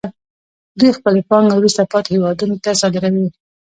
دوی خپلې پانګې وروسته پاتې هېوادونو ته صادروي